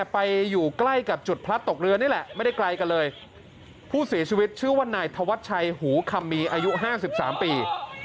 ผู้เสียชีวิตชื่อวันนายธวัชชัยหูคำมีอายุ๕๓ปี